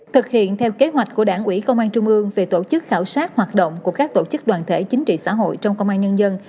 thực hiện theo kế hoạch của đảng ủy công an trung ương về tổ chức khảo sát hoạt động của các tổ chức đoàn thể chính trị xã hội trong công an nhân dân